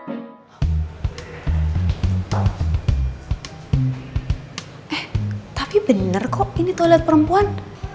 eh tapi bener kok ini toilet perempuan